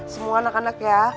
semua anak anak ya